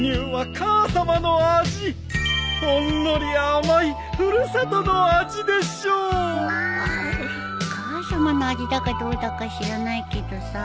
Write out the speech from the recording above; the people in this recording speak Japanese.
母さまの味だかどうだか知らないけどさ。